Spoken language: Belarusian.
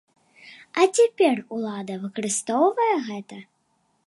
А цяпер улада выкарыстоўвае гэта?